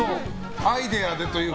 アイデアでというか。